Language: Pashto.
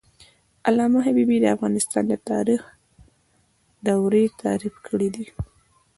علامه حبيبي د افغانستان د تاریخ دورې تعریف کړې دي.